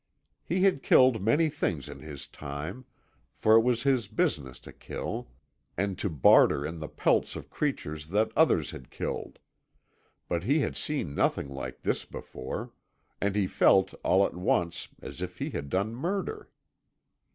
He had killed many things in his time, for it was his business to kill, and to barter in the pelts of creatures that others killed. But he had seen nothing like this before, and he felt all at once as if he had done murder.